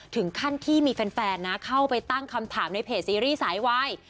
ถึงขั้นที่มีแฟนนะเข้าไปตั้งคำถามในเพจซีรีส์สายวาย